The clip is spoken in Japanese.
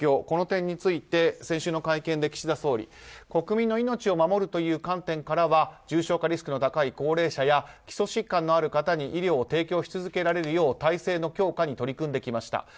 この点について先週の会見で岸田総理国民の命を守るという観点からは重症化リスクの高い高齢者や基礎疾患のある方に医療を提供し続けられるよう体制の強化に取り組んできました。